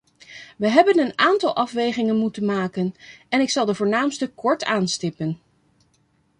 We hebben een aantal afwegingen moeten maken en ik zal de voornaamste kort aanstippen.